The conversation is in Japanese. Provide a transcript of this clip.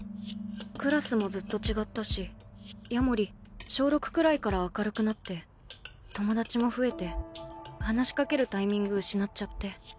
クラスもずっと違ったし夜守小６くらいから明るくなって友達も増えて話し掛けるタイミング失っちゃって。